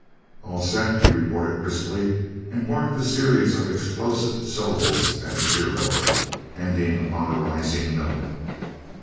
"All set," he reported crisply, and barked a series of explosive syllables at Shiro, ending upon a rising note.